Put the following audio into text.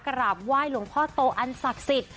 กราบไหว้หลวงพ่อโตอันศักดิ์สิทธิ์